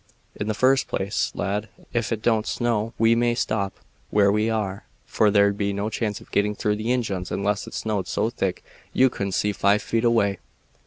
"In the first place, lad, ef it don't snow we may stop where we are, for there'd be no chance of getting through the Injuns unless it snowed so thick you couldn't see five feet away.